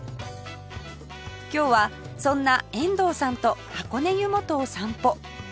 今日はそんな遠藤さんと箱根湯本を散歩